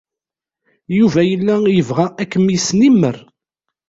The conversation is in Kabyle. Yuba yella yebɣa ad kem-yesnemmer.